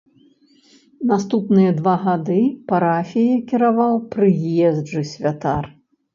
Наступныя два гады парафіяй кіраваў прыезджы святар.